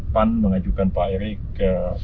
pan mengajukan pak erick